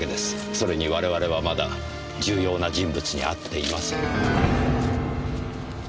それに我々はまだ重要な人物に会っていません。